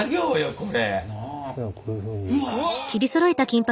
これ。